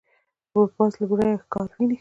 باز له ورايه ښکار ویني